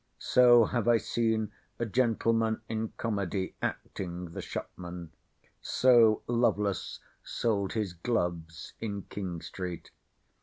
So have I seen a gentleman in comedy acting the shopman. So Lovelace sold his gloves in King Street.